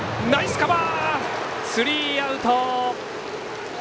スリーアウト。